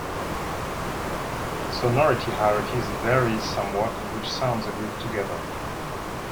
Sonority hierarchies vary somewhat in which sounds are grouped together.